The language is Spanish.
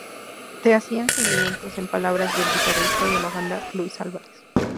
Te hacían seguimientos" En palabras del guitarrista de la banda, Luis Álvarez.